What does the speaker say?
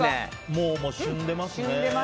もう、しゅんでますね。